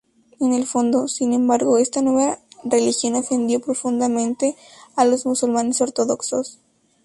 En el fondo, sin embargo, esta nueva religión ofendió profundamente a los musulmanes ortodoxos.